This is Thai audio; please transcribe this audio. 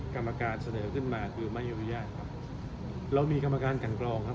กรรมการเสนอขึ้นมาคือไม่อนุญาตครับเรามีกรรมการกันกรองครับ